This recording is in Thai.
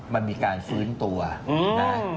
มันมีการฟื้นตัวนะ